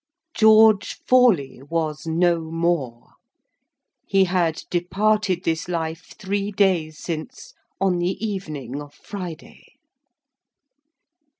George Forley was no more. He had departed this life three days since, on the evening of Friday.